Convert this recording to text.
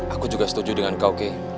aku juga setuju dengan kau kei